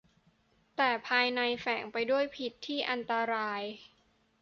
แต่ภายในแฝงไปด้วยพิษที่อันตราย